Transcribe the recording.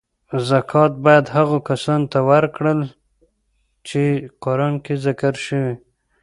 زکات باید هغو کسانو ته ورکړل چی قران کې ذکر شوی .